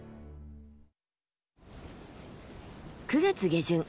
９月下旬。